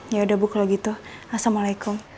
ya udah bu kalau gitu assalamualaikum